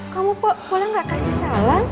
kamu pulang gak kasih salam